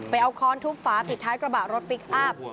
เอาค้อนทุบฝาปิดท้ายกระบะรถพลิกอัพ